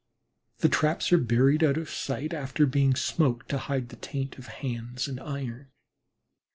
The traps are buried out of sight after being smoked to hide the taint of hands and iron.